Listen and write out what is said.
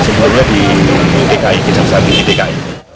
semuanya di dki kejaksaan tinggi dki